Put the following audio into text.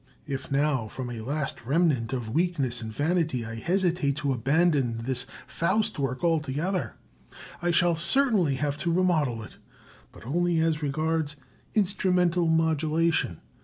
If now, from a last remnant of weakness and vanity, I hesitate to abandon this 'Faust' work altogether, I shall certainly have to remodel it, but only as regards instrumental modulation.